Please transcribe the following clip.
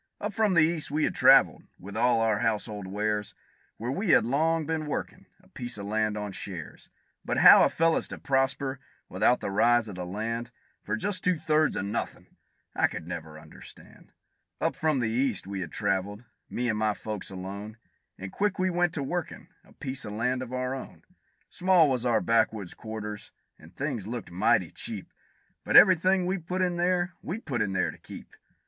Up from the East we had traveled, with all of our household wares, Where we had long been workin' a piece of land on shares; But how a fellow's to prosper without the rise of the land, For just two thirds of nothin', I never could understand. Up from the East we had traveled, me and my folks alone, And quick we went to workin' a piece of land of our own; Small was our backwoods quarters, and things looked mighty cheap; But every thing we put in there, we put in there to keep.